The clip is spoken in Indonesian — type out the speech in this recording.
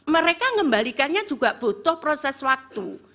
mereka mengembalikannya juga butuh proses waktu